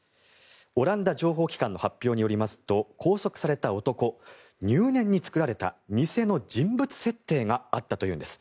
オランダ情報機関の発表によりますと拘束された男入念に作られた偽の人物設定があったというんです。